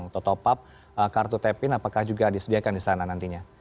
atau top up kartu tap in apakah juga disediakan di sana nantinya